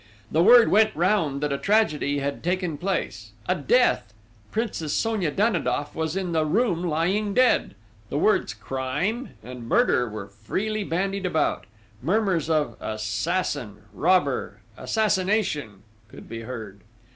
The word went round that a tragedy had taken place a death! Princess Sonia Danidoff was in the room lying dead! The words "crime" and "murder" were freely bandied about: murmurs of "assassin," "robber," "assassination" could be heard.